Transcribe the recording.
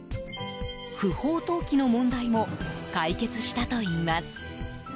不法投棄の問題も解決したといいます。